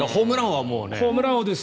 ホームラン王です。